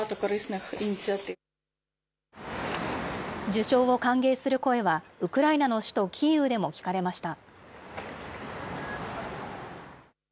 受賞を歓迎する声は、ウクライナの首都キーウでも聞かれました。